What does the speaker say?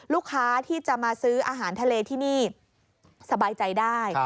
ลูกค้าที่จะมาซื้ออาหารทะเลที่นี่สบายใจได้